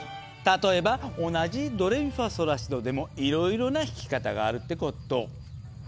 例えば同じ「ドレミファソラシド」でもいろいろな弾き方があるってこと。